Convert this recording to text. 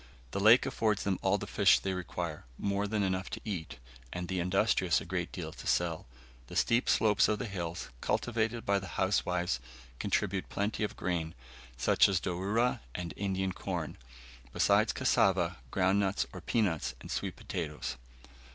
The lake affords them all the fish they require, more than enough to eat, and the industrious a great deal to sell. The steep slopes of the hills, cultivated by the housewives, contribute plenty of grain, such as dourra and Indian corn, besides cassava, ground nuts or peanuts, and sweet potatoes.